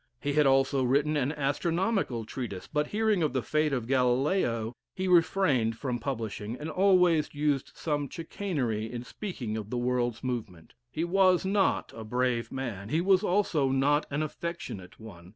He had also written an astronomical treatise; but hearing of the fate of Galileo he refrained from publishing, and always used some chicanery in speaking of the world's movement. He was not a brave man; he was also not an affectionate one.